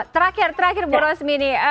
terakhir terakhir bu rosmini